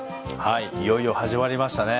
いよいよ始まりましたね。